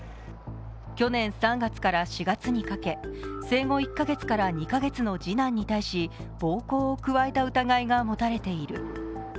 去年３月から４月にかけ、生後１カ月から２カ月の次男に対し暴行を加えた疑いがもたれている。